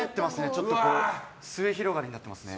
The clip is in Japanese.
ちょっと末広がりになってますね。